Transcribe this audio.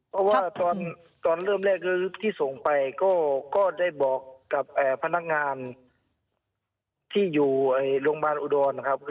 เพราะว่าตอนเริ่มแรกที่ส่งไปก็ได้บอกกับพนักงานที่อยู่โรงพยาบาลอุดรนะครับ